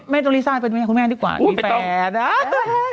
แม่ตัวลิซ่าเป็นแม่คุณแม่นดีกว่าดีแฟน